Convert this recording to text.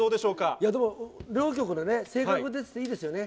いや、でも両局でね、性格出てていいですよね。